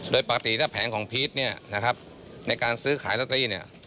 โดยปกติถ้าแผงของพีทในการซื้อขายลัตเตอรี่